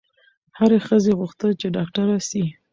هري ښځي غوښتل چي ډاکټره سي